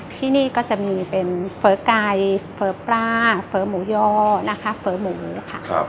ที่นี่ก็จะมีเป็นเฝอไก่เฝอปลาเฝอหมูย่อนะคะเฝอหมูค่ะ